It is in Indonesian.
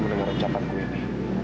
mendengar ucapanku ini